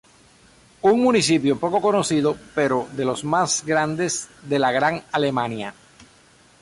Un municipio poco conocido, pero de los más grandes de la gran Alemania.